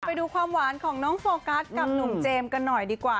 ไปดูความหวานของน้องโฟกัสกับหนุ่มเจมส์กันหน่อยดีกว่า